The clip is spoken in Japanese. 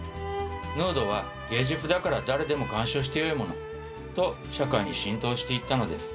ヌードは芸術だから誰でも鑑賞してよいものと社会に浸透していったのです。